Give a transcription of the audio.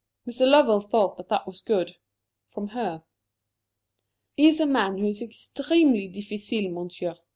Mr. Lovell thought that that was good from her. "He is a man who is extremely difficile, Monsieur.